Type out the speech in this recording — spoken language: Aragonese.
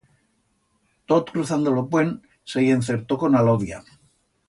Tot cruzando lo puent, se i encertó con Alodia.